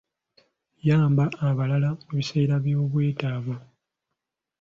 Yamba abalala mu biseera by'obwetaavu.